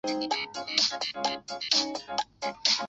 他生前与离婚多年的前妻育有一子一女。